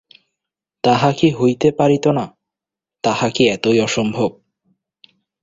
তাহা কি হইতে পারিত না, তাহা কি এতই অসম্ভব।